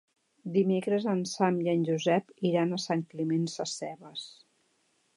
Dimecres en Sam i en Josep iran a Sant Climent Sescebes.